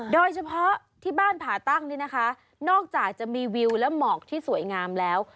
โดยเฉพาะที่บ้านผ่าตั้งนี่นะคะนอกจากจะมีวิวและหมอกที่สวยงามแล้ว